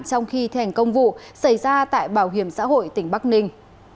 trong khi thi hành công vụ xảy ra tại bảo hiểm xã hội tỉnh bắc ninh